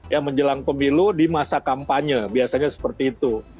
ya menjelang pemilu di masa kampanye biasanya seperti itu